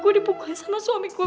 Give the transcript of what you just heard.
gue dipukulin sama suami gue